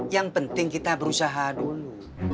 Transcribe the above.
yang penting kita berusaha dulu